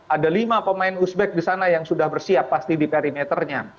ada lima pemain uzbek di sana yang sudah bersiap pasti di perimeternya